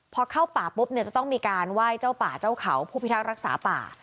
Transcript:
พอเข้าป่าปุ๊บเนี่ยจะต้องมีการไหว้เจ้าป่าเจ้าเขาผู้พิทักษ์รักษาป่า